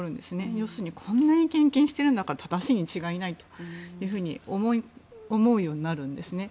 要するにこんなに献金してるんだから正しいに違いないというふうに思うようになるんですね。